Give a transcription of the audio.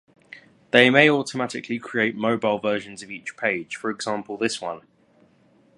They may automatically create "mobile" versions of each page, for example this one.